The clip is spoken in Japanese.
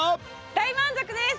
大満足です！